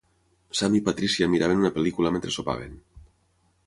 Sam i Patricia miraven una pel·lícula mentre sopaven.